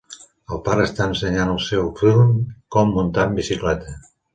Un pare està ensenyant al seu fill com muntar en bicicleta.